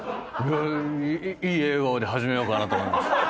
いい笑顔で始めようかなと思いまして。